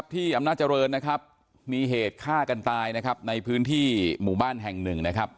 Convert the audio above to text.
ที่อำนาจริงนะครับมีเหตุฆ่ากันตายนะครับในพื้นที่หมู่บ้านแห่งหนึ่งนะครับ